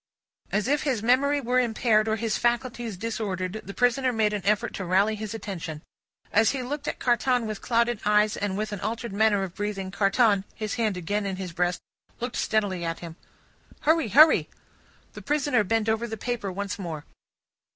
As if his memory were impaired, or his faculties disordered, the prisoner made an effort to rally his attention. As he looked at Carton with clouded eyes and with an altered manner of breathing, Carton his hand again in his breast looked steadily at him. "Hurry, hurry!" The prisoner bent over the paper, once more.